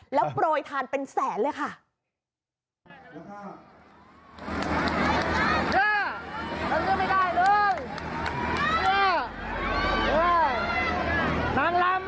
แล้วโปรยทานเป็นแสนเลยค่ะ